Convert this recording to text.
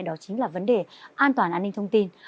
đó chính là vấn đề an toàn an ninh thông tin